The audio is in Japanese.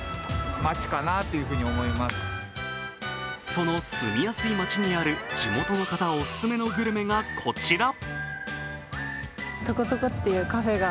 その住みやすい街にある地元の方おすすめのグルメがこちら。